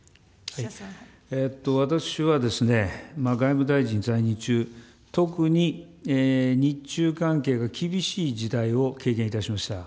私は外務大臣在任中、特に日中関係が厳しい時代を経験いたしました。